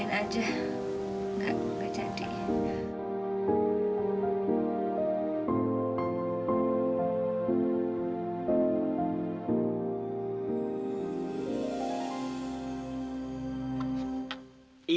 pokoknya aja enggak jadi